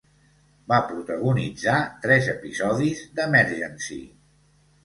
Va protagonitzar tres episodis d'"Emergency!"